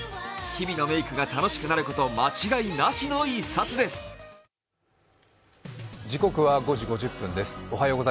日々のメイクが楽しくなること間違いなしの一冊です。